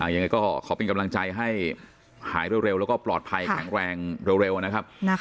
ยังไงก็ขอเป็นกำลังใจให้หายเร็วแล้วก็ปลอดภัยแข็งแรงเร็วนะครับ